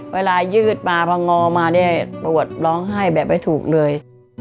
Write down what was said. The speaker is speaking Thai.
เวลายืดมาพอนงอมาปวดร้องไห้แบบไอ้ถูกเลย